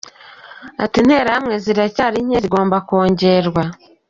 Ati: “Interahamwe ziracyari nke zigomba kongerwa.